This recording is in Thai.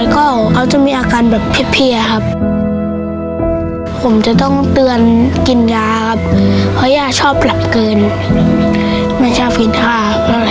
ก็เขาจะมีอาการแบบเพียครับผมจะต้องเตือนกินยาครับเพราะย่าชอบหลับเกินไม่ชอบกินท่า